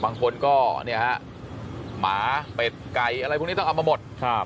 บางคนก็เนี่ยฮะหมาเป็ดไก่อะไรพวกนี้ต้องเอามาหมด